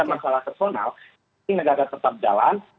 ini negara tetap dalam